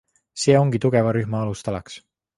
See ongi tugeva rühma alustalaks.